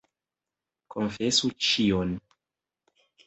Konfesu ĉion.